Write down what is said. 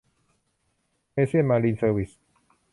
เอเชียน มารีน เซอร์วิสส์